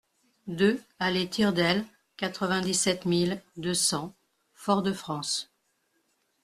deux allée Tire d'Aile, quatre-vingt-dix-sept mille deux cents Fort-de-France